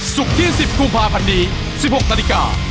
ศุกร์ที่๑๐กุมภาพันธ์นี้๑๖นาฬิกา